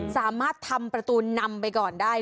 สามารถทำประตูนำไปก่อนได้